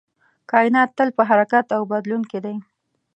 کائنات تل په حرکت او بدلون کې دی.